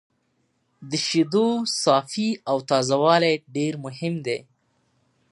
د شیدو صافي او تازه والی ډېر مهم دی.